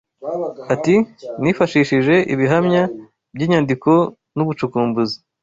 Ati “Nifashishije ibihamya by’inyandiko n’ubucukumbuzi